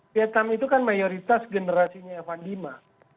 vietnam itu kan mayoritas generasinya evan dima